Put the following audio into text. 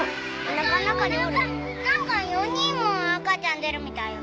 なんか４人も赤ちゃん出るみたいよ。